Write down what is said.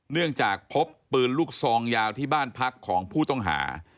เนื่องจากพบปืนลูกซองยาวที่บ้านพักของผู้ต้องหา